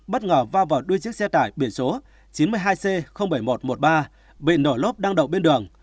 bất ngờ vào vào đuôi chiếc xe tải biển số chín mươi hai c bảy nghìn một trăm một mươi ba bị nổ lốp đang đậu bên đường